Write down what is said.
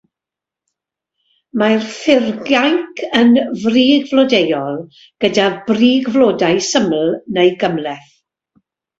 Mae'r fflurgainc yn frigflodeuol, gyda brigflodau syml neu gymhleth.